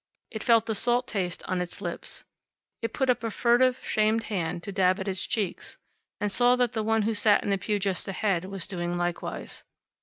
It felt the salt taste on its lips. It put up a furtive, shamed hand to dab at its cheeks, and saw that the one who sat in the pew just ahead was doing likewise.